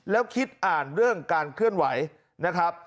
แล้วคิดอ่านเรื่องการเคลื่อนไหวนะครับ